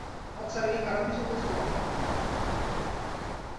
আচ্ছা, আমি কি খারাপ কিছু বলছিলাম?